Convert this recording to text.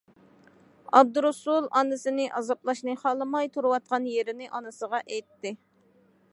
ئابدۇرۇسۇل ئانىسىنى ئازابلاشنى خالىماي، تۇرۇۋاتقان يېرىنى ئانىسىغا ئېيتتى.